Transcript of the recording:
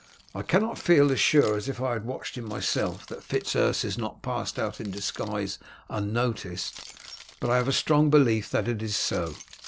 I cannot feel as sure as if I had watched him myself that Fitz Urse has not passed out in disguise unnoticed, but I have a strong belief that it is so.